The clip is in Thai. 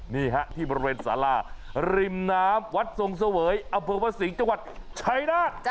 นี่ฮะที่บริเวณสลาริมนามวัดสงเสวยอเบอร์วนศีกจังหวัดชัยนะ